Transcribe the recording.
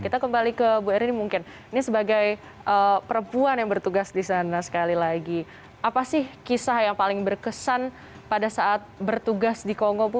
kita kembali ke bu erin mungkin ini sebagai perempuan yang bertugas di sana sekali lagi apa sih kisah yang paling berkesan pada saat bertugas di kongo bu